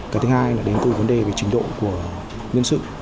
cái thứ hai là đến từ vấn đề về trình độ của nhân sự